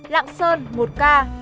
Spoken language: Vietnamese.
lạng sơn một ca